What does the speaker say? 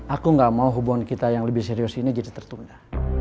aku gak mau hubungan kita yang lebih serius ini jadi tertunda